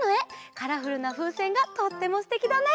カラフルなふうせんがとってもすてきだね。